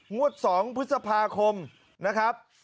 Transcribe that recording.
งวด๒พฤษภาคมนะครับ